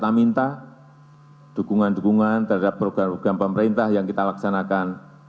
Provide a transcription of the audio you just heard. kita minta dukungan dukungan terhadap program program pemerintah yang kita laksanakan